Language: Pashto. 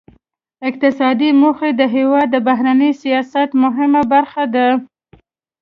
اقتصادي موخې د هیواد د بهرني سیاست مهمه برخه ده